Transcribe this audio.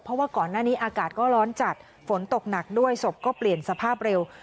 เพราะว่าก่อนหน้านี้อากาศก็ร้อนจัดฝนตกหนักด้วยศพก็เปลี่ยนสภาพเร็ว